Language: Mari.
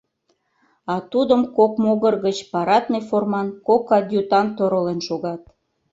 А тудым кок могыр гыч парадный форман кок адъютант оролен шогат.